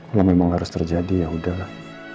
kalau memang harus terjadi ya udahlah